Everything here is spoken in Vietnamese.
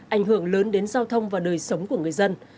ảnh hưởng lớn đến giao thông và đời sống của người dân